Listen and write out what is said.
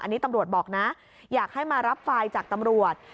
อันนี้ตำรวจบอกนะอยากให้มารับไฟล์จากตำรวจ